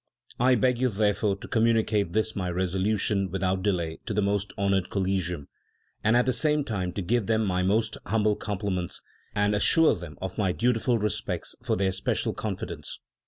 I beg you therefore to communicate this my resolution without delay to the most hon oured Collegium, and at the same time to give them my most humble compliments and assure them of my dutiful respects for their special confidence.